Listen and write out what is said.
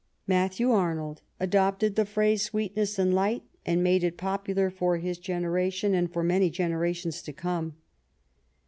Matthew Arnold adopted the phrase "sweetness and light," and made it popular for his generation and for many generations to come.